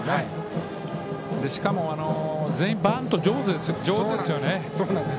しかも全員、バント上手ですよね。